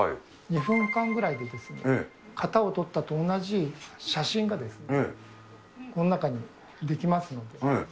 ２分間ぐらいで、型を取ったと同じ写真がこの中に出来ますので。